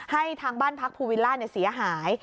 ให้ทางบ้านพักภูวิลล่าเสียหาย